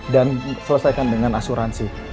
dan selesaikan dengan asuransi